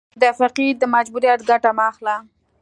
د فقیر د مجبوریت ګټه مه اخله.